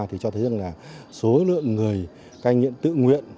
thì cho thấy rằng là số lượng người cai nghiện tự nguyện